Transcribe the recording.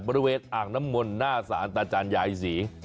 บริเวณอ่างน้ำมนต์หน้าศาลตาจารยายศรี